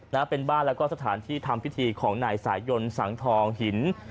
นะเป็นบ้านแล้วก็สถานที่ทำพิธีของนายสายยนต์สังทองหิน